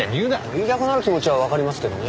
言いたくなる気持ちはわかりますけどね。